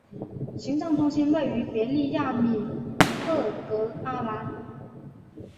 行政中心位于别利亚米特格阿兰。